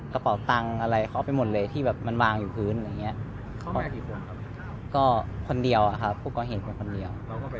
มันบ้างกี่คนของก็คนเดียวนะครับพวกก็เห็นคนเดียว